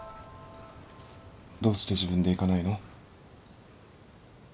どうして自分で行かないの？